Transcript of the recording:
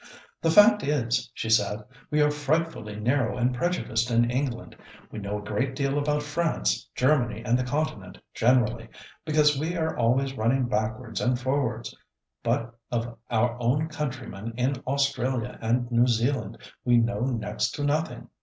"The fact is," she said, "we are frightfully narrow and prejudiced in England. We know a great deal about France, Germany and the Continent generally, because we are always running backwards and forwards. But of our own countrymen in Australia and New Zealand we know next to nothing.